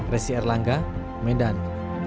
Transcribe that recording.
resi erlangga medan